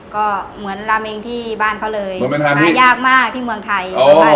ก็เหมือนลาเมงที่บ้านเขาเลยหายากมากที่เมืองไทย